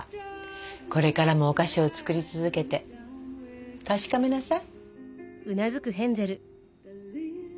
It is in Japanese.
これからもお菓子を作り続けて確かめなさい。